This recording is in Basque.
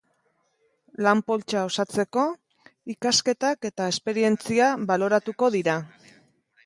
Lan-poltsa osatzeko, ikasketak eta esperientzia baloratuko dira.